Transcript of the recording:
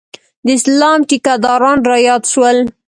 د اسلام ټیکداران رایاد شول.